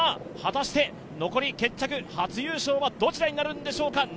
果たして残り決着、初優勝はどちらになるんでしょうか。